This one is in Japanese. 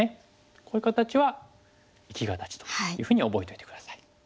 こういう形は生き形というふうに覚えといて下さい。